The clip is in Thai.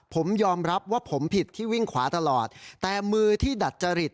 ผมยอมรับว่าผมผิดที่วิ่งขวาตลอดแต่มือที่ดัดจริต